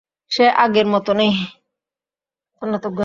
সে আগের মতো নেই।